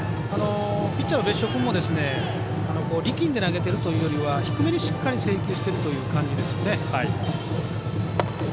ピッチャーの別所君も力んで投げているというよりは低めにしっかり制球しているという感じですね。